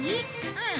うん。